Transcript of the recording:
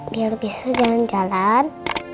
biar besok jangan jalan